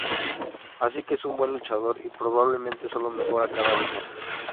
Así que es un buen luchador y probablemente solo mejorará cada vez más.